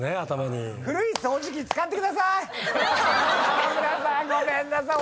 沢村さんごめんなさい。